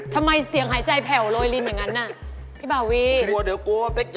ทำไมเสียงหายใจแผ่วโรยลินอย่างนั้นน่ะพี่บาวีกลัวเดี๋ยวกลัวว่าเป๊กจะ